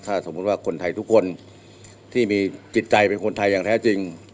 ถ้าสมมุติว่าคนไทยทุกคนที่มีจิตใจเป็นคนไทยอย่างแท้จริง